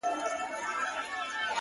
ژوند سرینده نه ده ـ چي بیا یې وږغوم ـ